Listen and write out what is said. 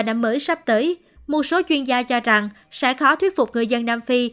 năm mới sắp tới một số chuyên gia cho rằng sẽ khó thuyết phục người dân nam phi